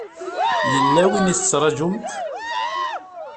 Yella win i tettṛajumt?